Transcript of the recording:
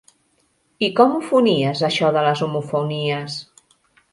I com ho fonies, això de les homofonies?